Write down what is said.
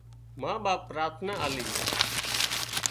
ما ٻاپ پراٿنا آلي